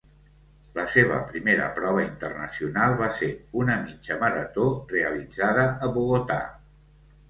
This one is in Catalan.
La seva primera prova internacional va ser una mitja marató realitzada a Bogotà.